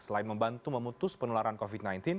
selain membantu memutus penularan covid sembilan belas